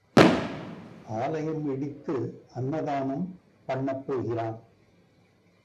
ஆலயம் இடித்து அன்னதானம் பண்ணப் போகிறான்.